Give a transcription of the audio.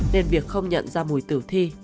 nên việc không nhận ra mùi tử thi